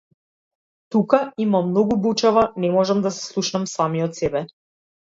Тука има многу бучава, не можам да се слушнам самиот себе.